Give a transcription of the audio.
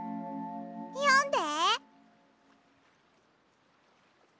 よんで。